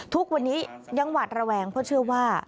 ทุกวันนี้ยังหวาดระแวงเพราะเชื่อว่า